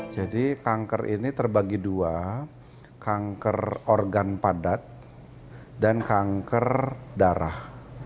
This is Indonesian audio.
jadi kanker ini terbagi dua kanker organ padat dan kanker darah